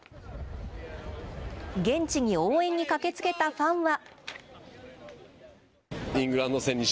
現地に応援に駆けつけたファンは。